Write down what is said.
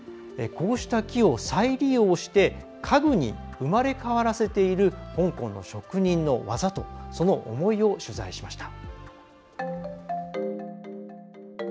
こうした木を再利用して家具に生まれ変わらせている香港の職人の技と、その思いを取材しました。